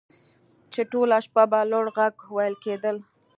چې ټوله شپه په لوړ غږ ویل کیدل